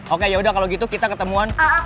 oke yaudah kalau gitu kita ketemuan